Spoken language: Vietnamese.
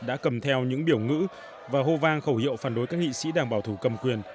đã cầm theo những biểu ngữ và hô vang khẩu hiệu phản đối các nghị sĩ đảng bảo thủ cầm quyền